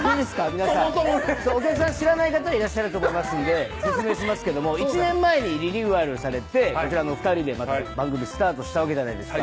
皆さんそもそもねお客さん知らない方いらっしゃると思いますんで説明しますけども１年前にリニューアルされてこちらのお２人でまた番組スタートしたわけじゃないですか